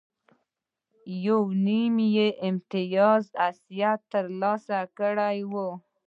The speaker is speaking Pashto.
یو نیم به یې امتیازي حیثیت ترلاسه کړی و.